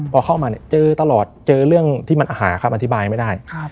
พอเข้ามาเนี่ยเจอตลอดเจอเรื่องที่มันหาคำอธิบายไม่ได้